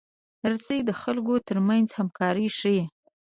رسۍ د خلکو ترمنځ همکاري ښيي.